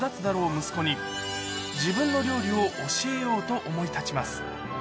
息子に、自分の料理を教えようと思い立ちます。